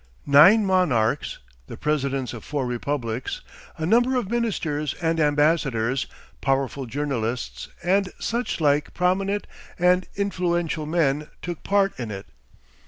Nine monarchs, the presidents of four republics, a number of ministers and ambassadors, powerful journalists, and such like prominent and influential men, took part in it.